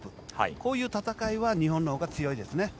こういう戦いは日本のほうが強いですね。